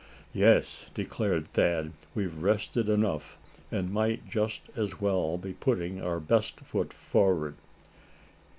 "Yes," declared Thad, "we've rested enough, and might just as well be putting our best foot forward."